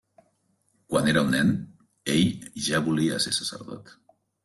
Quan era un nen, ell ja volia ser sacerdot.